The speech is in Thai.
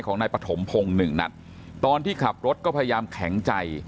ของนายปฐมพงศ์หนึ่งนัดตอนที่ขับรถก็พยายามแข็งใจ